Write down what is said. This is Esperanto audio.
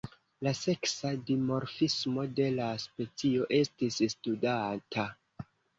La seksa dimorfismo de la specio estis studata.